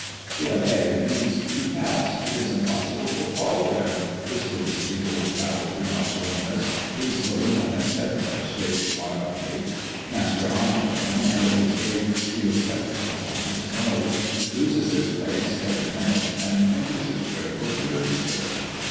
"The abbé reads too fast; it is impossible to follow him," whispers the old dowager Marchioness, whose voluminous head dress shakes wildly. Master Arnoton, with his great steel spectacles on his nose, loses his place every minute and fingers his Prayer Book nervously.